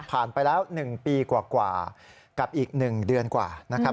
ไปแล้ว๑ปีกว่ากับอีก๑เดือนกว่านะครับ